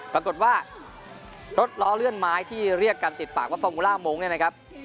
ปรากฏว่ารถล้อเลื่อนไม้ที่เรียกกันติดปากว่าฟอร์มูล่ามงค์เนี่ยนะครับ